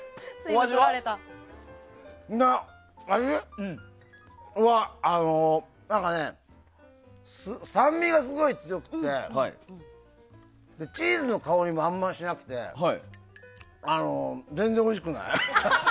味は何かね酸味がすごい強くてチーズの香りもあんまりしなくて全然おいしくない。